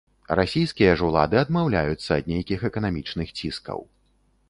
Расійскія ж улады адмаўляюцца ад нейкіх эканамічных ціскаў.